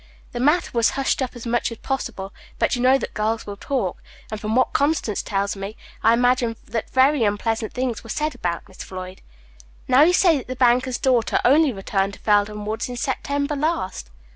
The matter was hushed up as much as possible; but you know that girls will talk, and from what Constance tells me, I imagine that very unpleasant things were said about Miss Floyd. Now you say that the banker's daughter only returned to Felden Woods in September last.